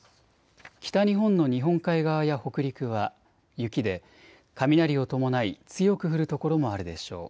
北日本の日本海側や北陸は雪で雷を伴い強く降る所もあるでしょう。